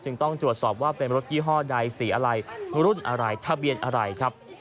ต้องตรวจสอบว่าเป็นรถยี่ห้อใดสีอะไรรุ่นอะไรทะเบียนอะไรครับ